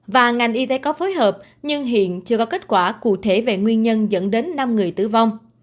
và ngành y tế có phối hợp nhưng hiện chưa có kết quả cụ thể về nguyên nhân dẫn đến năm người tử vong